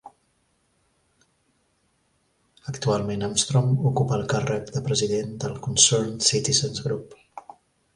Actualment Armstrong ocupa el càrrec de president del Concerned Citizens Group.